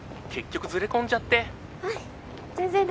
結局ずれこんじゃって。